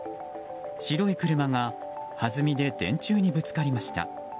白い車がはずみで電柱にぶつかりました。